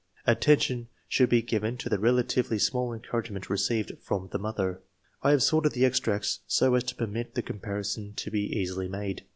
Attention should be given to the relatively small encouragement received fi:om the mother. I have sorted the extracts so as to permit the comparison to be easily made.